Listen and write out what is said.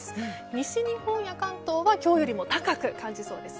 西日本や関東は今日よりも高く感じそうです。